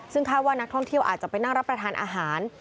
ซึ่งคาดว่านักท่องเที่ยวอาจจะไปนั่งรับประทานอาหาร